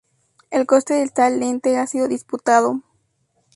El coste de tal lente ha sido disputado.